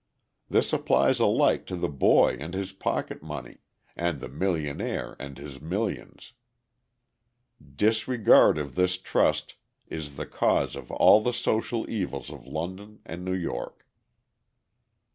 This applies alike to the boy and his pocket money, and the millionaire and his millions. Disregard of this trust is the cause of all the social evils of London and New York."